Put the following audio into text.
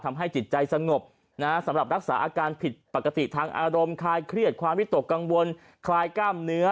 ทำให้จิตใจสงบสำหรับรักษาอาการผิดปกติทางอารมณ์คลายเครียดความวิตกกังวลคลายกล้ามเนื้อ